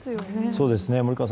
そうですね。